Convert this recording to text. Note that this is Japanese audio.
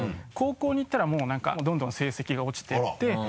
高校に行ったらもう何かどんどん成績が落ちていって。